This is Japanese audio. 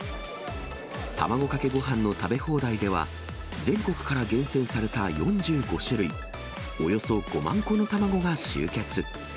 卵かけごはんの食べ放題では、全国から厳選された４５種類、およそ５万個の卵が集結。